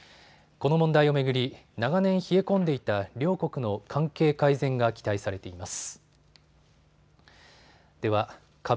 この問題を巡り、長年冷え込んでいた両国の関係改善が期待されています。